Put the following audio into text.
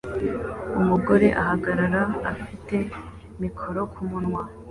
umugore ahagarara afite mikoro kumunwa